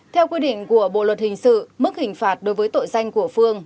theo quy định của bộ luật hình sự mức hình phạt đối với tội danh của phương